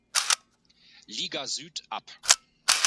Liga Süd ab.